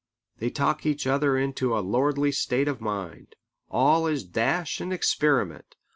They talk each other into a lordly state of mind. All is dash and experiment.